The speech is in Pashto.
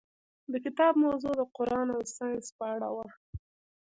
د کتاب موضوع د قرآن او ساینس په اړه وه.